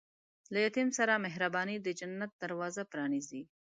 له یتیم سره مهرباني، د جنت دروازه پرانیزي.